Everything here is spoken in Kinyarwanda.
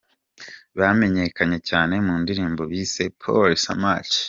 bamenyekanye cyane mu ndirimbo bise Pole Samaki.